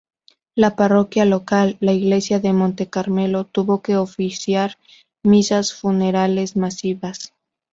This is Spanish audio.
La parroquia local, La Iglesia de Monte Carmelo, tuvo que oficiar misas funerales masivas.